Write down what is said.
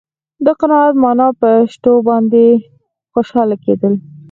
د قناعت معنا په شتو باندې خوشاله کېدل.